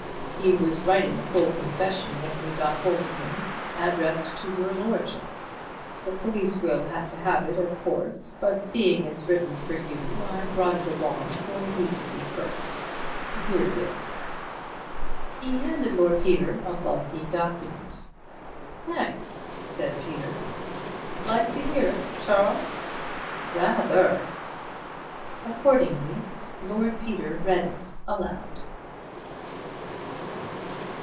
"He was writing a full confession when we got hold of him, addressed to your lordship. The police will have to have it, of course, but seeing it's written for you, I brought it along for you to see first. Here it is." He handed Lord Peter a bulky document. "Thanks," said Peter. "Like to hear it, Charles?" "Rather." Accordingly Lord Peter read it aloud.